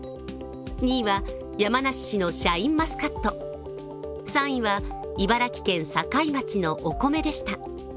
２位は山梨市のシャインマスカット、３位は、茨城県境町のお米でした。